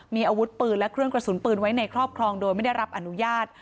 มีอาวุธปืนและเครื่องกระสุนปืนไว้ในครอบครองโดยไม่ได้รับอนุญาต